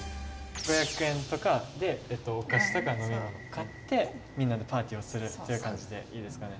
５００円とかでお菓子とか飲み物買ってみんなでパーティーをするっていう感じでいいですかね？